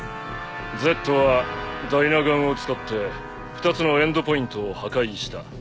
Ｚはダイナ岩を使って２つのエンドポイントを破壊した。